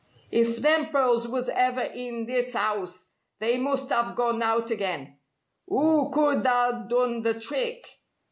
If them pearls was ever in this 'ouse, they must 'ave gone out again. 'Oo could' a' done the trick?'